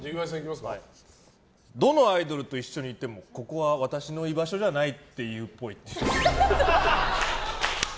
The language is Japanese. どのアイドルと一緒にいてもここは私の居場所じゃないって言うっぽい。